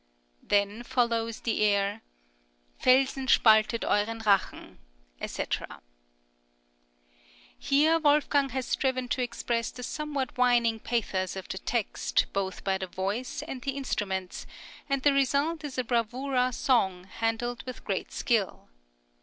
Then follows the air Felsen spaltet euren Rachen, &c. Here Wolfgang has striven to express the somewhat whining pathos of the text both by the voice and the instruments, and the result is a bravura song, handled with great skill.